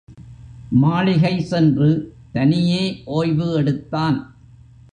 மாளிகை சென்று தனியே ஒய்வு எடுத்தான்.